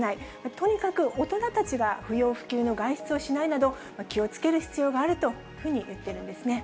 とにかく大人たちが不要不急の外出をしないなど、気をつける必要があるというふうに言っているんですね。